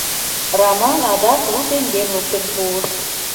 Раман адак лу теҥгем луктын пуыш...